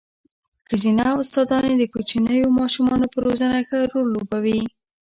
ښځينه استاداني د کوچنيو ماشومانو په روزنه ښه رول لوبوي.